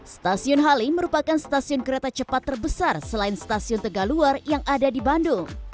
stasiun halim merupakan stasiun kereta cepat terbesar selain stasiun tegaluar yang ada di bandung